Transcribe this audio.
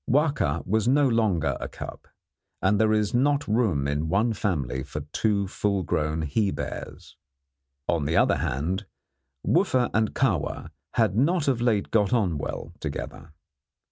Wahka was no longer a cub, and there is not room in one family for two full grown he bears. On the other hand, Wooffa and Kahwa had not of late got on well together.